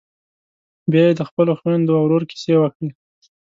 بيا یې د خپلو خويندو او ورور کيسې وکړې.